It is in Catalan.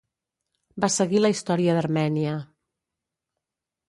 Va seguir la història d'Armènia.